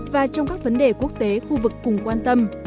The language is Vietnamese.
và trong các vấn đề quốc tế khu vực cùng quan tâm